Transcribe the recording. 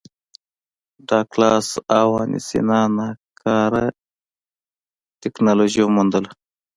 ډاګلاس او وانسینا ناکاره ټکنالوژي وموندله.